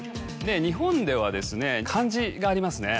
日本では漢字がありますね。